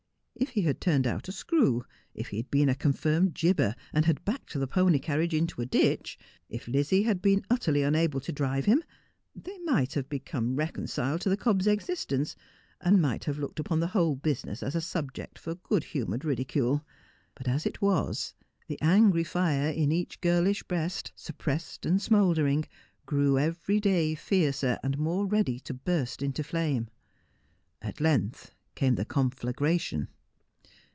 If he had turned out a screw — if A Paragon of Cobs. 299 he had been a confirmed jibber, and had backed the pony car riage into a ditch — if Lizzie had been utterly unable to drive him, they might have become reconciled to the cob's existence, and might have looked upon the whole business as a subject for good humoured ridicule. But, as it was, the angry fire in each girlish breast, suppressed and smouldering, grow every day fiercer and more ready to burst into flame. At length came the conflagration.